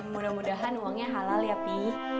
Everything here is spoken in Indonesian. mudah mudahan uangnya halal ya pi